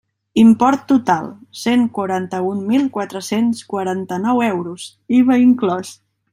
Import total: cent quaranta-un mil quatre-cents quaranta-nou euros, IVA inclòs.